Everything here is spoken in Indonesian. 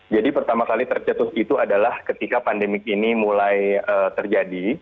jadi pertama kali terjatuh itu adalah ketika pandemik ini mulai terjadi